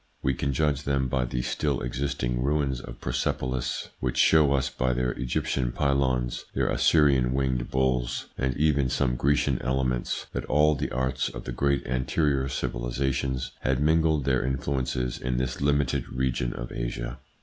We can judge them by the still existing ruins of Persepolis, which show us by their Egyptian pylones, their Assyrian winged bulls, and even some Grecian elements, that all the arts of the great anterior civilisations had mingled their in fluences in this limited region of Asia.